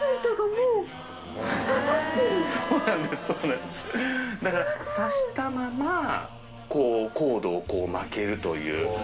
そうなんですだからさしたままコードを巻けるという。